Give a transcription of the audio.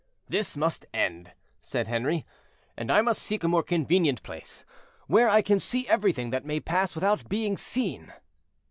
"This must end," said Henri, "and I must seek a more convenient place, where I can see everything that may pass without being seen."